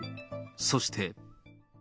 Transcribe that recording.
そして。